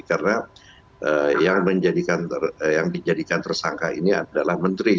karena yang dijadikan tersangka ini adalah menteri